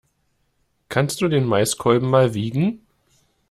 Kannst du den Maiskolben mal wiegen?